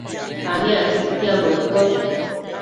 aniactsëc ictiambo iccosh